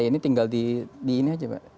ini tinggal di ini aja pak